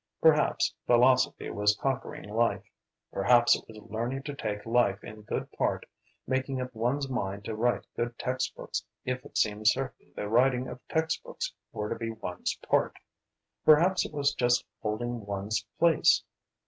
Perhaps philosophy was conquering life. Perhaps it was learning to take life in good part, making up one's mind to write good text books if it seemed certain the writing of text books were to be one's part. Perhaps it was just holding one's place.